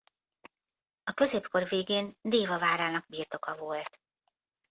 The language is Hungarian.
A középkor végén Déva várának birtoka volt.